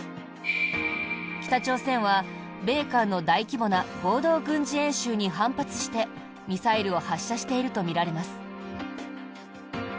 北朝鮮は米韓の大規模な合同軍事演習に反発してミサイルを発射しているとみられます。